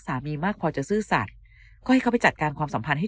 มากพอจะซื่อสัตว์ก็ให้เขาไปจัดการความสัมพันธ์ให้